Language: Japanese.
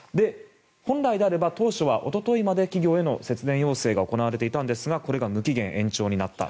本来であれば当初はおとといまで企業への節電要請が行われていたんですがこれが無期限延長になった。